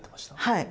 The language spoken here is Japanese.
はい。